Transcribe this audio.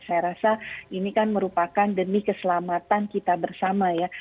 saya rasa ini kan merupakan demi keselamatan kita bersama ya